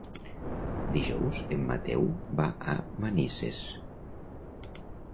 Dijous en Mateu va a Manises.